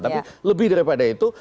tapi lebih daripada itu